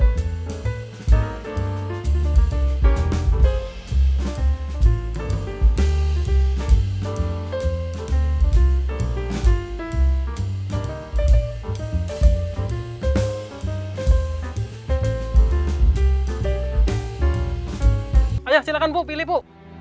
hai ayah silakan bu pilih bu